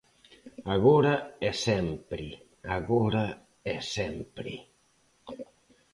Agora e sempre, agora e sempre.